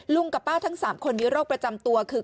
กับป้าทั้ง๓คนมีโรคประจำตัวคือ